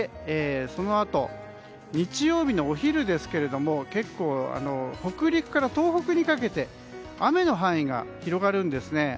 そのあと日曜日のお昼ですが北陸から東北にかけて雨の範囲が広がるんですね。